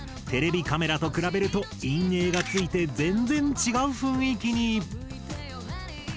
テレビカメラと比べると陰影がついて全然違う雰囲気に。